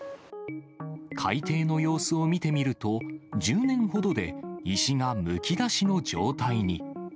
海底の様子を見てみると、１０年ほどで石がむき出しの状態に。